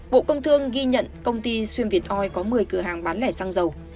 bộ công thương ghi nhận công ty xuyên việt oi có một mươi cửa hàng bán lẻ xăng dầu